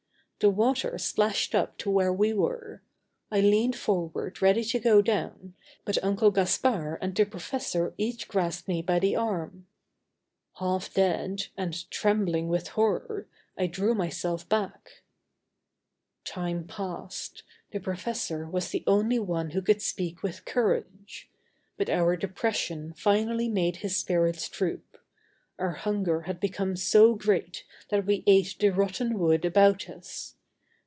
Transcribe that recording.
The water splashed up to where we were. I leaned forward ready to go down, but Uncle Gaspard and the professor each grasped me by the arm. Half dead, and trembling with horror, I drew myself back. Time passed. The professor was the only one who could speak with courage. But our depression finally made his spirits droop. Our hunger had become so great that we ate the rotten wood about us.